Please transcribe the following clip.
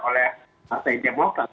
oleh partai demokrat